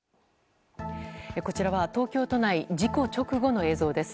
こちらは東京都内事故直後の映像です。